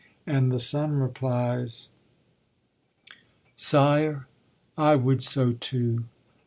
And the son replies: Sire, I would so too.